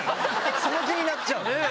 その気になっちゃう。